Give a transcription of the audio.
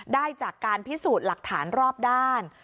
ได้จากการพิสูจน์หลักฐานรอบด้าน